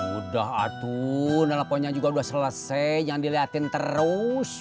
udah atun teleponnya juga udah selesai jangan diliatin terus